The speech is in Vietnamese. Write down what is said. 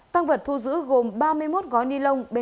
tăng vật thu giữ gồm ba mươi một gói ni lông